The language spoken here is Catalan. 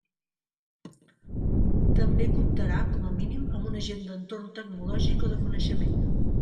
També comptarà, com a mínim, amb un agent d'entorn tecnològic o de coneixement.